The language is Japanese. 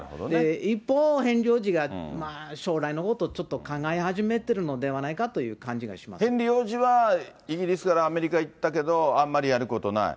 一方、ヘンリー王子が、まあ、将来のことをちょっと考え始めてるのではないかという感じがしまヘンリー王子は、イギリスからアメリカ行ったけど、あんまりやることない。